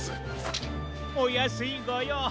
おやすいごよう。